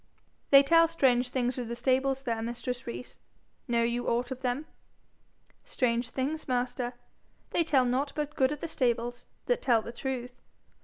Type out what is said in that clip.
'They tell strange things of the stables there, mistress Rees: know you aught of them?' 'Strange things, master? They tell nought but good of the stables that tell the truth.